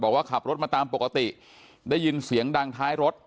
บอกว่าขับรถมาตามปกติได้ยินเสียงดังท้ายรถ